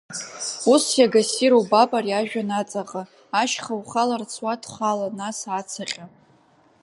Ус иага ссир убап ари ажәҩан аҵаҟа, ашьха ухаларц уадхала, нас, ацаҟьа!